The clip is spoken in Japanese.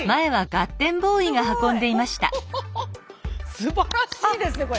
すばらしいですねこれ。